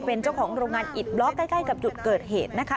เป็นเจ้าของโรงงานอิดบล็อกใกล้กับจุดเกิดเหตุนะคะ